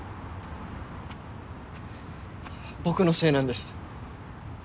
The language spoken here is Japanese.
僕のせいなんです。